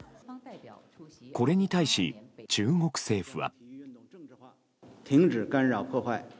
これに対し、中国政府は。